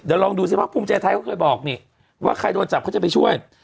เดี๋ยวลองดูสิพักภูมิใจไทยเขาเคยบอกนี่ว่าใครโดนจับเขาจะไปช่วย